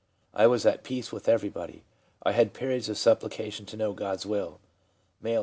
I was at peace with everybody. I had periods of supplication to know God's will/ M., 18.